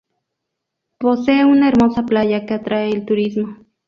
Posee una hermosa playa que atrae el turismo.